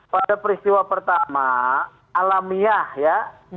pada peristiwa pertama alamiah ya